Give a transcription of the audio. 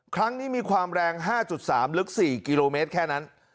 ครั้งนี้มีความแรง๕๓ลึก๔กิโลเมตรแค่นั้น